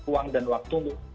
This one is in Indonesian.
uang dan waktu untuk